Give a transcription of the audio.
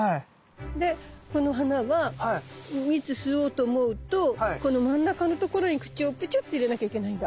でこの花は蜜吸おうと思うとこの真ん中のところに口をクチュッて入れなきゃいけないんだ。